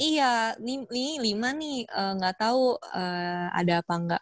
iya ini lima nih gak tau ada apa enggak